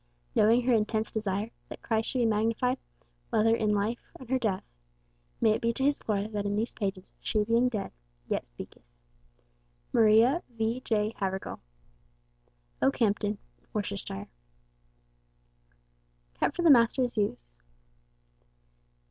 Knowing her intense desire that Christ should be magnified, whether by her life or in her death, may it be to His glory that in these pages she, being dead, 'Yet speaketh!' MARIA V. G. HAVERGAL. Oakhampton, Worchestershire. KEPT FOR The Master's Use.